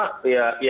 yang pertama ya ya